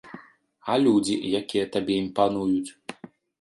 А людзі, якія табе імпануюць?